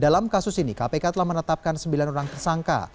dalam kasus ini kpk telah menetapkan sembilan orang tersangka